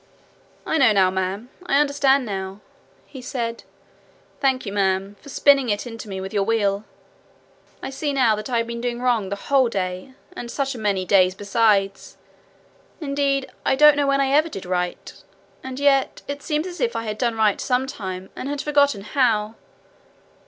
'I know now, ma'am; I understand now,' he said. 'Thank you, ma'am, for spinning it into me with your wheel. I see now that I have been doing wrong the whole day, and such a many days besides! Indeed, I don't know when I ever did right, and yet it seems as if I had done right some time and had forgotten how.